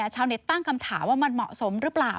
ชาวเน็ตตั้งคำถามว่ามันเหมาะสมหรือเปล่า